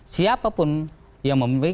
siapapun yang mengirim barang